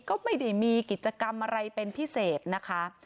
ก็ไม่ได้มีกิจกรรมอะไรเป็นพิเศษนะคะ